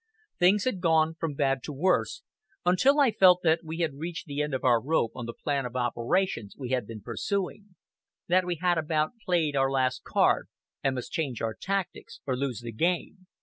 "Things had gone on from bad to worse, until I felt that we had reached the end of our rope on the plan of operations we had been pursuing; that we had about played our last card, and must change our tactics or lose the game.